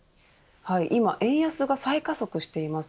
今、円安が再加速しています。